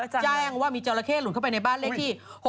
แจ้งว่ามีจราเข้หลุดเข้าไปในบ้านเลขที่๖๖